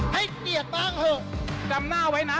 ให้เกียรติบ้างเถอะจำหน้าไว้นะ